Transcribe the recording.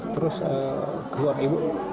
terus keluar ibu